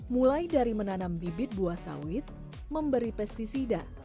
mulai dari menanam bibit buah sawit memberi pesticida